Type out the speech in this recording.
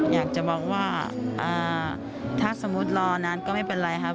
อยากจะบอกว่าถ้าสมมุติรอนานก็ไม่เป็นไรครับ